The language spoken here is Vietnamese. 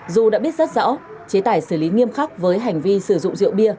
dù đã biết rất rõ chế tài xử lý nghiêm khắc với hành vi sử dụng rượu bia